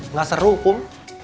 nggak seru kum